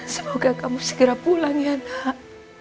semoga kamu segera pulang ya nak